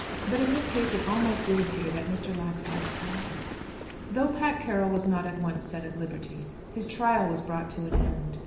But in this case it almost did appear that Mr. Lax had the power. Though Pat Carroll was not at once set at liberty, his trial was brought to an end.